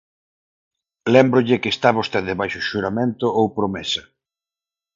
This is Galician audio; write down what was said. Lémbrolle que está vostede baixo xuramento ou promesa.